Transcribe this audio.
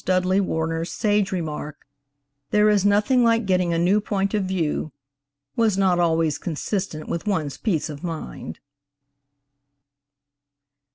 Dudley Warner's sage remark, "there is nothing like getting a new point of view," was not always consistent with one's peace of mind.